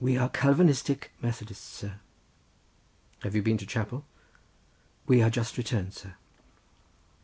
"We are Calvinistic Methodists, sir." "Have you been to chapel?" "We are just returned, sir."